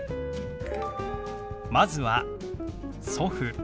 まずは「祖父」。